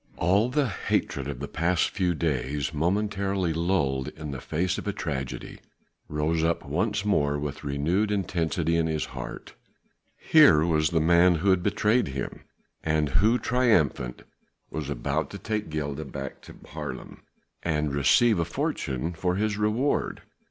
All the hatred of the past few days momentarily lulled in the face of a tragedy rose up once more with renewed intensity in his heart. Here was the man who had betrayed him, and who, triumphant, was about to take Gilda back to Haarlem and receive a fortune for his reward.